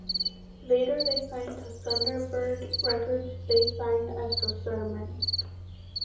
Later they signed to Thunderbird Records they signed as The Sir Men.